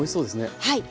はい。